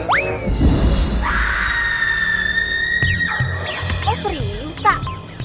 oh pring tak